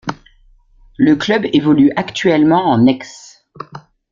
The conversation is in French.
Le club évolue actuellement en ex.